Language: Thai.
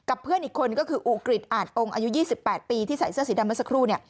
อายุ๒๘ปีที่ใส่เสื้อสีดำเมื่อสักครู่